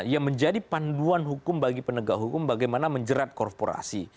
yang menjadi panduan hukum bagi penegak hukum bagaimana menjerat korporasi